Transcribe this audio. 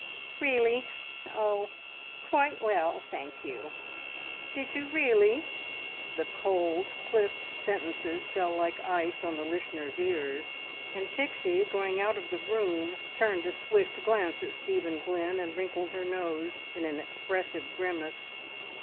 "Really? Oh! Quite well, thank you. Did you really?" ... The cold, clipped sentences fell like ice on the listeners' ears, and Pixie, going out of the room, turned a swift glance at Stephen Glynn, and wrinkled her nose in an expressive grimace.